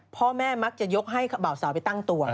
พ่อแม่มักจะยกให้เบาสาวไปตั้งตัว